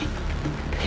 kamu berada raih